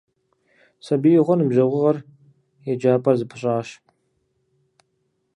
Сабиигъуэр, ныбжьэгъугъэр, еджапӀэр зэпыщӀащ.